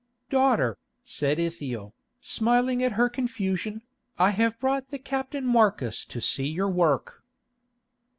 "Daughter," said Ithiel, smiling at her confusion, "I have brought the captain Marcus to see your work."